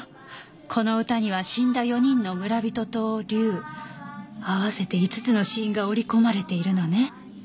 この唄には死んだ４人の村人と竜あわせて５つの死因が折り込まれているのね。